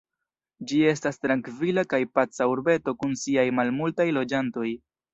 Ĝi estas trankvila kaj paca urbeto kun siaj malmultaj loĝantoj.